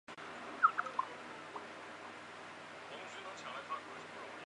东亚东方虾蛄为虾蛄科东方虾蛄属下的一个种。